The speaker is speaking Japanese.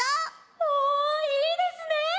おおいいですね！